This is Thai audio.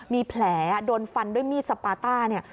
มีแผลโดนฟันด้วยมีดสปาต้าเนี่ย